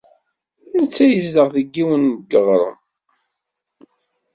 Netta yezdeɣ deg yiwen n yeɣrem.